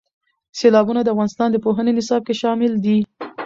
سیلابونه د افغانستان د پوهنې نصاب کې شامل دي.